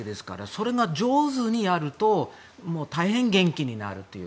それを上手にやると大変元気になるという。